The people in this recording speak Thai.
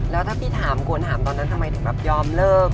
แล้วถ้าพี่ถามควรถามตอนนั้นทำไมถึงแบบยอมเลิก